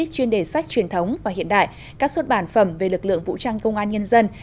chuyên đề sách truyền thống và hiện đại các xuất bản phẩm về lực lượng vũ trang công an nhân dân